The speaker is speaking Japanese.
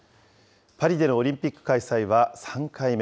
パリでのオリンピック開催は３回目。